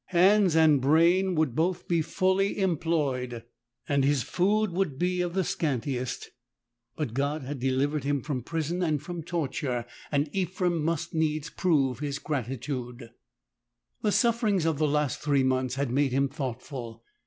Hands and brain would both be fully em ployed and his food would be of the scantiest; but God had delivered him from prison and from torture, and Ephrem must needs prove his gratitude. The sufferings of the last three months had made him thoughtful.